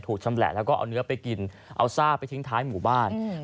ชำแหละแล้วก็เอาเนื้อไปกินเอาซากไปทิ้งท้ายหมู่บ้าน